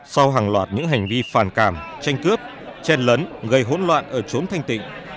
sau hàng loạt những hành vi phản cảm tranh cướp chen lấn gây hỗn loạn ở trốn thanh tịnh